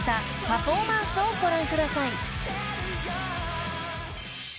パフォーマンスをご覧ください］